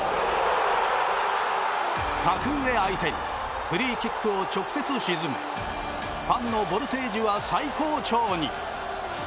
格上相手にフリーキックを直接沈めファンのボルテージは最高潮に。